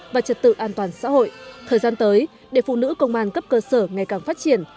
và trật tự an toàn xã hội thời gian tới để phụ nữ công an cấp cơ sở ngày càng phát triển